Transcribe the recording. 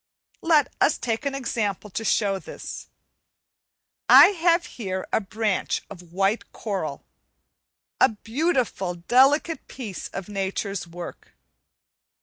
Let us take an example to show this. I have here a branch of white coral, a beautiful, delicate piece of nature's work.